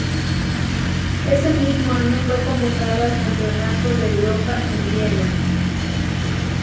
Ese mismo año fue convocada al Campeonato de Europa en Viena.